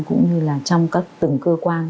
cũng như là trong các từng cơ quan